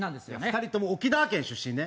２人とも沖縄県出身ね。